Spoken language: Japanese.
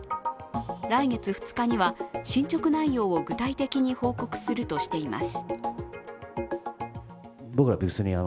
来月２日には進捗内容を具体的に報告するとしています。